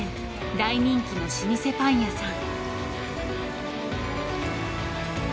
大人気の老舗パン屋さん。